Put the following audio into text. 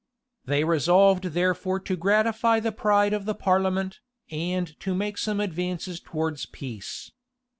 They resolved therefore to gratify the pride of the parliament, and to make some advances towards peace.